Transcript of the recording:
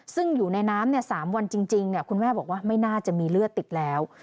ซึ่งอยู่ในน้ำ๓วันจริงคุณแม่บอกว่าไม่น่าจะมีเลือดติดแล้ว